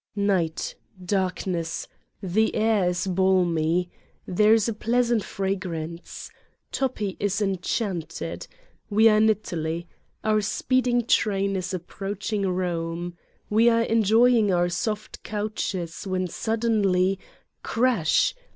Night. Darkness. The air is balmy. There is a pleasant fragrance. Toppi is enchanted. We are in Italy. Our speeding train is approaching Eome. We are enjoying our soft couches when, suddenly, crash!